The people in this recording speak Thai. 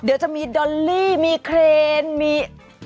เดี๋ยวจะมีดอลลี่มีเครนมี